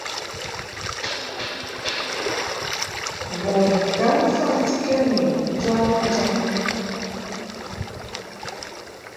Bun ka mfantikɛd nu njamɨ njamɨ.